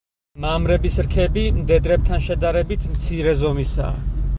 მამრების რქები მდედრებთან შედარებით მცირე ზომისაა.